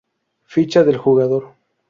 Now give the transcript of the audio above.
Ficha del jugador